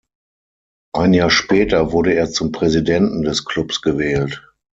Ein Jahr später wurde er zum Präsidenten des Klubs gewählt.